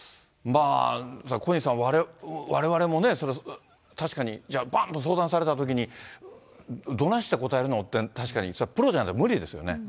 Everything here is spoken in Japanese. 小西さん、われわれも確かにばんと相談されたときに、どないして答えるのって、確かに、それはプロじゃないと無理ですよね。